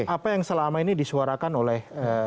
apa yang selama ini disuarakan oleh